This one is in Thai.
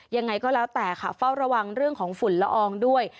ยังไงก็แล้วแต่ค่ะเฝ้าระวังเรื่องของฝุ่นละอองด้วย